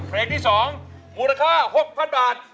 เพลงที่๒มูลค่า๖๐๐๐บาท